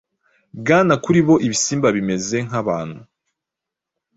Bwana kuri bo ibisimba bimeze nk abantu